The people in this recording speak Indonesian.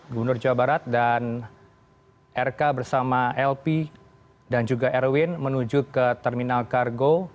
gubernur jawa barat dan rk bersama lp dan juga erwin menuju ke terminal kargo